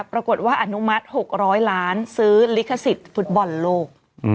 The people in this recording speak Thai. อนุมัติ๖๐๐ล้านซื้อลิขสิทธิ์ฟุตบอลโลก